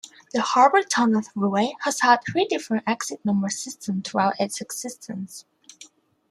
The Harbor Tunnel Thruway has had three different exit number systems throughout its existence.